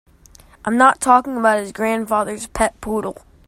I'm not talking about his grandfather's pet poodle.